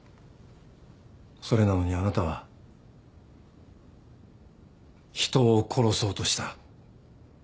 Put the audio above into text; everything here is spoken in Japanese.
それなのにあなたは人を殺そうとした。